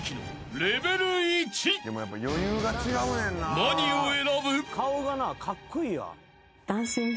［何を選ぶ？］